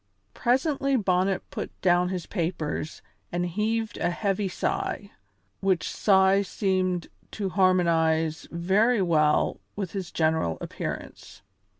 Presently Bonnet put down his papers and heaved a heavy sigh, which sigh seemed to harmonize very well with his general appearance.